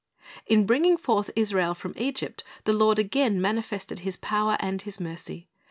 In bringing forth Israel from Egypt, the Lord again manifested His power and His mercy.